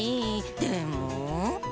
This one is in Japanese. でも。